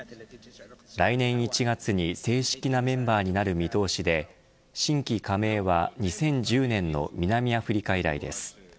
来年１月に正式なメンバーになる見通しで新規加盟は２０１０年の南アフリカ以来です。